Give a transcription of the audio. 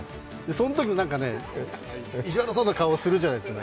そのときも、なんか意地悪そうな顔をするじゃないですか。